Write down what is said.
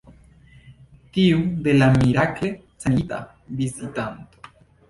Tiu de la mirakle sanigita vizitanto.